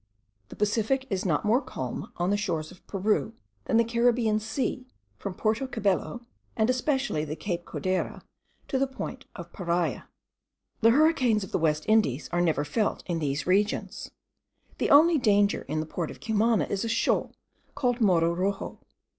The Pacific is not more calm on the shores of Peru, than the Caribbean Sea from Porto cabello, and especially from Cape Codera to the point of Paria. The hurricanes of the West Indies are never felt in these regions. The only danger in the port of Cumana is a shoal, called Morro Roxo.